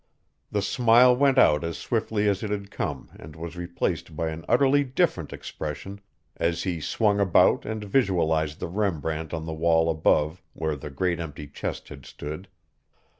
The smile went out as swiftly as it had come and was replaced by an utterly different expression as he swung about and visualized the Rembrandt on the wall above where the great empty chest had stood.